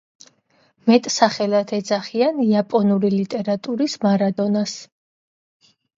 მეტსახელად ეძახიან „იაპონური ლიტერატურის მარადონას“.